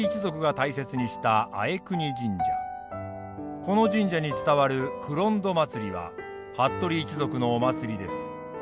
この神社に伝わる黒党まつりは服部一族のお祭りです。